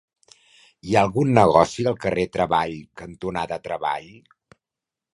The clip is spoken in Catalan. Hi ha algun negoci al carrer Treball cantonada Treball?